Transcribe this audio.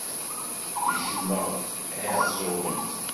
Jjmeɣ Iɛeẓẓugen.